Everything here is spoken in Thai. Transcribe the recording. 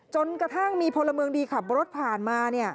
จนกระทั่งมีพลเมืองดีขับรถผ่านมา